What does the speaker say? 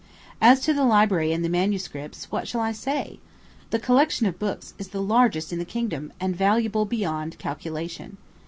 As to the library and the MSS., what shall I say? The collection of books is the largest in the kingdom, and valuable beyond calculation.